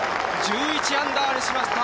１１アンダーにしました。